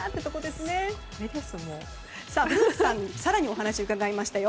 古内さんに更にお話を伺いました。